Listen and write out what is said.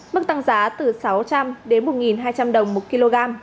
mức tăng giá từ sáu trăm linh đến một hai trăm linh đồng một kg